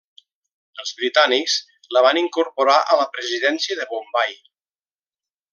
Els britànics la van incorporar a la Presidència de Bombai.